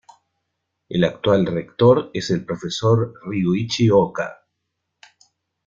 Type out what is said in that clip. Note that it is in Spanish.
El actual rector es el Profesor Ryuichi Oka.